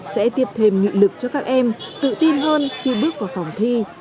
sẽ tiếp thêm nghị lực cho các em tự tin hơn khi bước vào phòng thi